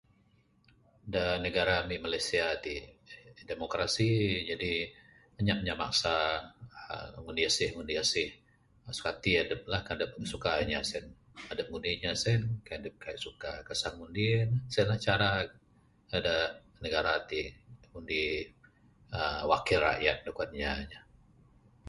Da negara ami Malaysia ti demokrasi...jadi anyap inya maksa uhh ngundi asih ngundi asih...sukati adep la kan adep suka inya sien adep ngundi inya sien kan adep kaii suka kesah ngundi ne...sien la cara...cara negara ati ngundi uhh wakil rakyat da kuan inya yeh.